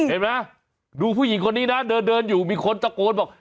เห็นไหมดูผู้หญิงคนนี้นะเดินอยู่มีคนตะโกนบอก